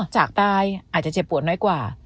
จากตายอาจจะเจ็บปวดน้อยกว่า